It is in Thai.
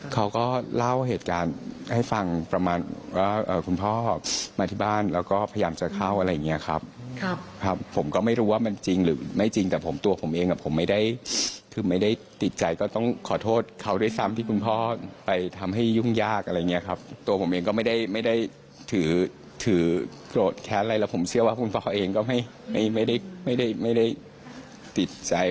เขาก็เล่าเหตุการณ์ให้ฟังประมาณว่าคุณพ่อมาที่บ้านแล้วก็พยายามจะเข้าอะไรอย่างเงี้ยครับครับผมก็ไม่รู้ว่ามันจริงหรือไม่จริงแต่ผมตัวผมเองอ่ะผมไม่ได้คือไม่ได้ติดใจก็ต้องขอโทษเขาด้วยซ้ำที่คุณพ่อไปทำให้ยุ่งยากอะไรอย่างเงี้ยครับตัวผมเองก็ไม่ได้ไม่ได้ถือถือโกรธแค้นอะไรแล้วผมเชื่อว่าคุณพ่อเองก็ไม่ไม่ได้ไม่ได้ติดใจ